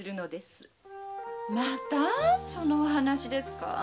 またそのお話ですか？